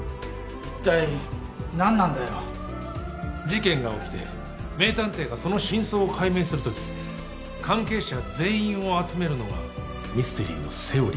事件が起きて名探偵がその真相を解明するとき関係者全員を集めるのがミステリーのセオリーです。